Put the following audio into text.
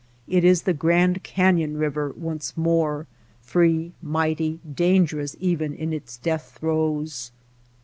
It is the Grand Canyon river once more, free, mighty, dangerous even in its death throes.